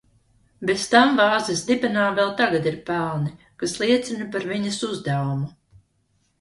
Bez tam vāzes dibenā vēl tagad ir pelni, kas liecina par viņas uzdevumu.